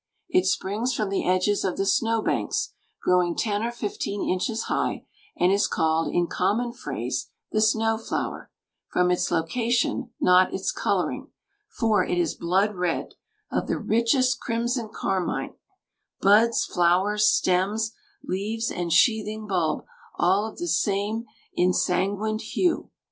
It springs from the edges of the snow banks, growing ten or fifteen inches high, and is called in common phrase the "snow flower," from its location, not its coloring, for it is blood red, of the richest crimson carmine, buds, flowers, stems, leaves, and sheathing bulb all of the same ensanguined hue.